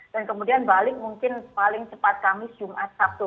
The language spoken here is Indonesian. dan kemudian balik mungkin paling cepat kamis jumat sabtu